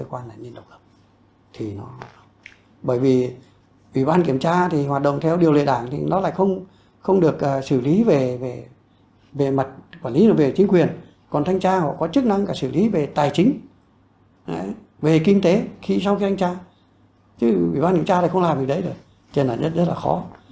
ủy ban kiểm tra hoạt động theo điều lệ đảng nó lại không được xử lý về chính quyền còn thanh tra có chức năng xử lý về tài chính về kinh tế sau khi thanh tra chứ ủy ban kiểm tra lại không làm điều đấy được thì rất là khó